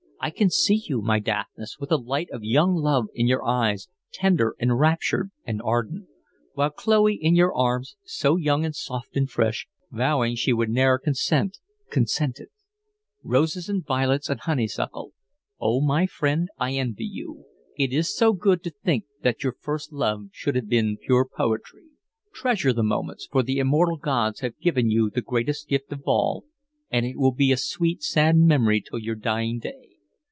I can see you, my Daphnis, with the light of young love in your eyes, tender, enraptured, and ardent; while Chloe in your arms, so young and soft and fresh, vowing she would ne'er consent—consented. Roses and violets and honeysuckle! Oh, my friend, I envy you. It is so good to think that your first love should have been pure poetry. Treasure the moments, for the immortal gods have given you the Greatest Gift of All, and it will be a sweet, sad memory till your dying day.